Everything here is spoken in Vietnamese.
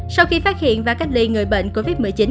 sau khi phát hiện và cách ly người bệnh covid một mươi chín